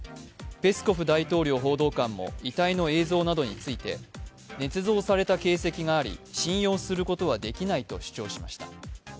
ペスコフ大統領報道官も、遺体の映像などについて、ねつ造された形跡があり、信用することはできないと主張しました。